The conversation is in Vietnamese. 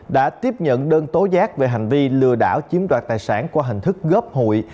đã tiếp nhận đơn tố giác về hành vi lừa đảo chiếm đoạt tài sản qua hình thức góp hụi